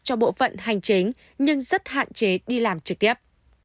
cho bộ phận hành chính nhưng rất hạn chế đi làm trực tiếp